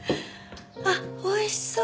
あっ美味しそう！